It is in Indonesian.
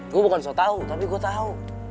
gue bukan so tau tapi gue tahu